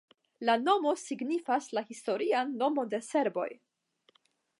La nomo signifas la historian nomon de serboj.